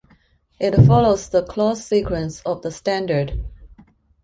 It follows the clause sequence of the Standard.